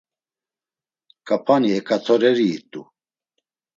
K̆apani eǩatoreri it̆u.